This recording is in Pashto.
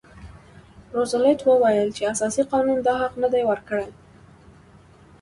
روزولټ وویل چې اساسي قانون دا حق نه دی ورکړی.